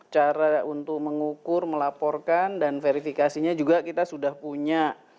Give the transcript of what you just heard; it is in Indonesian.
cara untuk mengukur melaporkan dan verifikasinya juga kita sudah punya